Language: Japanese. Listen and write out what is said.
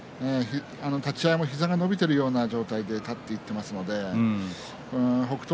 立ち合いも膝が伸びているような状態であたっていっていますので北勝